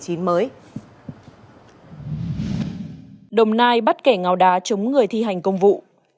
đồng nai bắt kẻ ngáo đá chống người thi hành công vụ